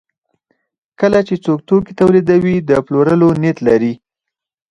کله چې څوک توکي تولیدوي د پلورلو نیت لري.